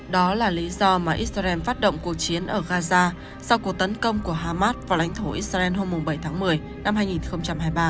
đó là lý do mà israel phát động cuộc chiến ở gaza sau cuộc tấn công của hamas vào lãnh thổ israel hôm bảy tháng một mươi năm hai nghìn hai mươi ba